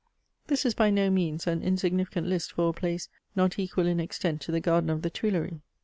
This is by no means an insignificant hst for a place, not equal in extent to the garden of the Tuileries.